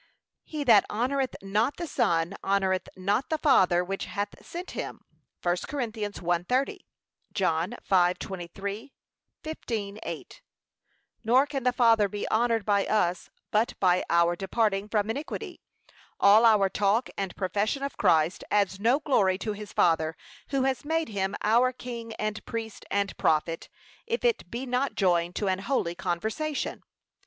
'He that honoureth not the Son, honoureth not the Father which hath sent him.' (1 Cor. 1:30; John 5:23; 15:8) Nor can the Father be honoured by us, but by our departing from iniquity. All our talk and profession of Christ, adds no glory to his Father, who has made him our King, and Priest, and Prophet, if it be not joined to an holy conversation.